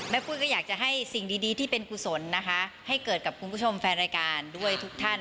ปุ้ยก็อยากจะให้สิ่งดีที่เป็นกุศลนะคะให้เกิดกับคุณผู้ชมแฟนรายการด้วยทุกท่าน